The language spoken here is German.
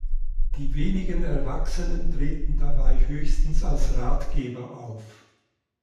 Die wenigen Erwachsenen treten dabei höchstens als Ratgeber auf.